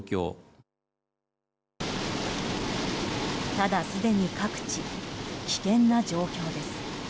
ただ、すでに各地危険な状況です。